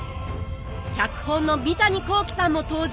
脚本の三谷幸喜さんも登場！